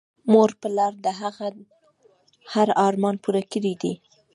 مور پلار د هغه هر ارمان پوره کړی دی